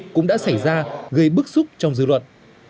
cũng đã xảy ra gây bức xúc trong dư luận